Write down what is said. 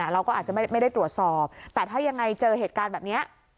เราก็อาจจะไม่ได้ตรวจสอบแต่ถ้ายังไงเจอเหตุการณ์แบบนี้